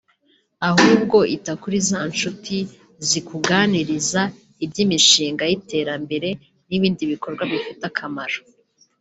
ahubwo ita kuri za nshuti zikuganiriza iby'imishinga y'iterambere n'ibindi bikorwa bifite akamaro